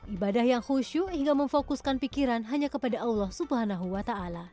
ibadah yang khusyuk hingga memfokuskan pikiran hanya kepada allah swt